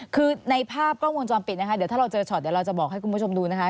คือในภาพกล้องวงจรปิดนะคะเดี๋ยวถ้าเราเจอช็อตเดี๋ยวเราจะบอกให้คุณผู้ชมดูนะคะ